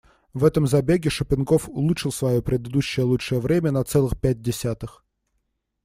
В этом забеге Шубенков улучшил своё предыдущее лучшее время на целых пять десятых.